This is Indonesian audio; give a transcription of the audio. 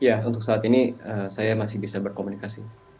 ya untuk saat ini saya masih bisa berkomunikasi